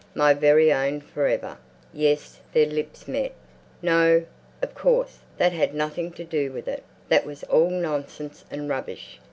"My very own for ever?" "Yes." Their lips met. No, of course, that had nothing to do with it. That was all nonsense and rubbish.